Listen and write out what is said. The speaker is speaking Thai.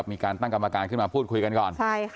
มาพูดคุยกันก่อน